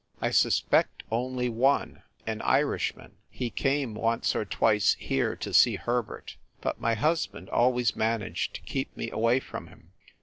"I suspect only one, an Irishman. He came once or twice here to see Herbert, but my husband always managed to keep me away from him."